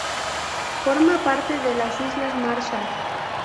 Forma parte de las Islas Marshall.